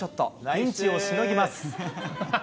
ピンチをしのぎます。